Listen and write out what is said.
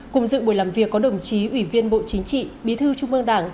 cùng dựng buổi làm việc có đồng chí ủy viên bộ chính trị bí thư trung mương đảng